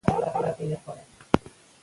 پلار مخکې هم ستړی شوی و.